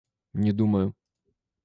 Не думаю.